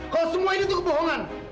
kalau semua ini tuh kebohongan